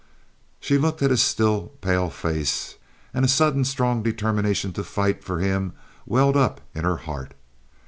She looked at his still, pale face, and a sudden strong determination to fight for him welled up in her heart.